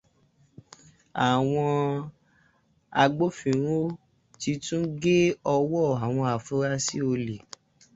Àwọn agbófinró ti tún gé ọwọ́ àwọn afurasí olè